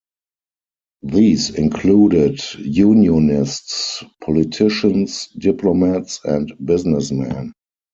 These included unionists, politicians, diplomats, and businessmen.